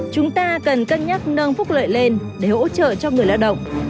chúng ta cần cân nhắc nâng phúc lợi lên để hỗ trợ cho người lao động